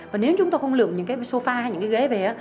và nếu chúng tôi không lượm những cái sofa hay những cái ghế về